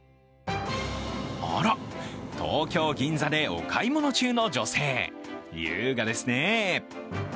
あら、東京・銀座でお買い物中の女性、優雅ですね。